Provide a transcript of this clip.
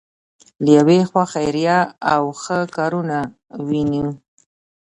له یوې خوا خیریه او ښه کارونه وینو.